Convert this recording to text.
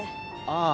ああ。